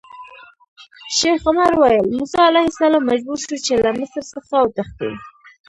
شیخ عمر ویل: موسی علیه السلام مجبور شو چې له مصر څخه وتښتي.